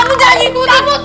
aku mau jadi putihmu